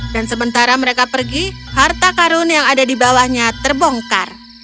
dan sementara mereka pergi harta karun yang ada di bawahnya terbongkar